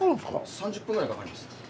３０分ぐらいかかります。